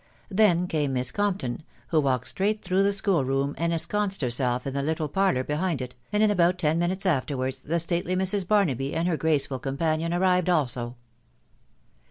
Then came Miss Compton, who walked straight through the school room, and ensconced herself in the little parlour behind it, and in about ten minutes afterwards the stately Mrs. Barnaby and her graceful companion arrived also.